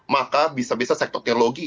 maka bisa bisa sektor teologi